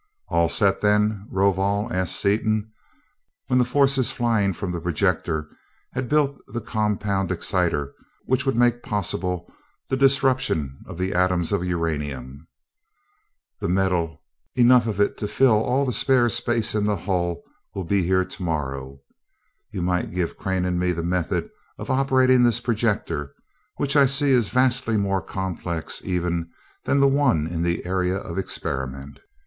"All set, then, Rovol?" asked Seaton, when the forces flying from the projector had built the compound exciter which would make possible the disruption of the atoms of uranium. "The metal, enough of it to fill all the spare space in the hull, will be here tomorrow. You might give Crane and me the method of operating this projector, which I see is vastly more complex even than the one in the Area of Experiment."